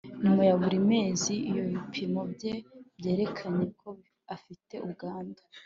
nyuma ya buri mezi Iyo ibipimo bye byerekanye ko afite ubwandu